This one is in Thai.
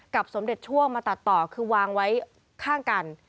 สมเด็จช่วงมาตัดต่อคือวางไว้ข้างกัน